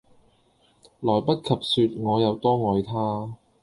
來不及說我有多愛他